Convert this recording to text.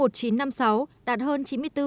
đạt hơn chín mươi bốn sáu